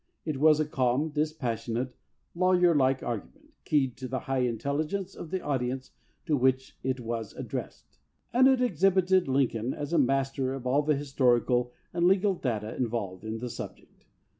It was a calm, dispas sionate, lawyer like argument, keyed to the high intelligence of the audience to which it was ad dressed, and it exhibited Lincoln as a master of all the historical and legal data involved in the subject.